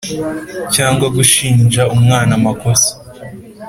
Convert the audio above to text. cyangwa gushinja umwana amakosa